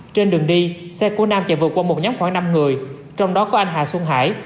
trên đường đi xe của nam chạy vượt qua một nhóm khoảng năm người trong đó có anh hà xuân hải